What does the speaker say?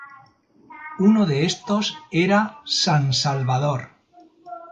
Unos de estos era San Salvador.